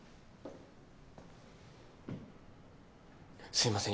すいません